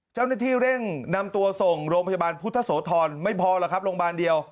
เจ้าหน้าที่เร่งนำตัวส่งโรงพยาบาลภุทธโสธรไม่พอล่ะลงบาลเดียว